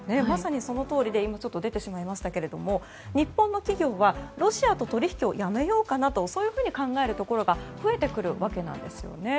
まさにそのとおりで今出てしまいましたが日本の企業はロシアと取引をやめようかなとそういうふうに考えるところが増えてくるわけです。